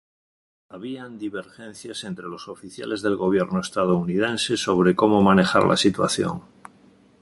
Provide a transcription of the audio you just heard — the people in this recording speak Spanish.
Habían divergencias entre los oficiales del gobierno estadounidense sobre como manejar la situación.